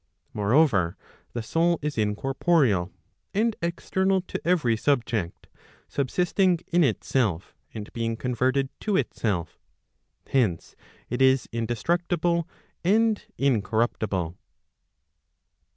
Moreover, the soul is incorporeal, and external to every subject, subsisting in itself, and being converted to itself. Hence, it is indestructible and incorruptible.